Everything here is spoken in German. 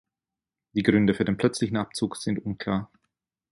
Die Gründe für den plötzlichen Abzug sind unklar.